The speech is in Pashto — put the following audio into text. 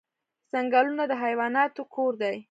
ځنګلونه د حیواناتو کور دی